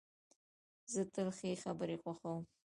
زه تل ښې خبري خوښوم.